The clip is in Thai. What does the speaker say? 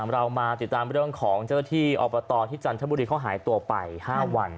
เรามาติดตามเรื่องของเจ้าหน้าที่อบตที่จันทบุรีเขาหายตัวไป๕วัน